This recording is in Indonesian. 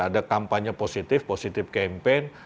ada kampanye positif positif campaign